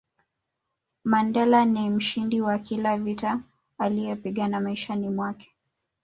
Mandela ni mshindi wa kila vita aliyopigana maishani mwake